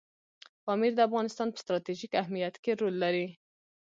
پامیر د افغانستان په ستراتیژیک اهمیت کې رول لري.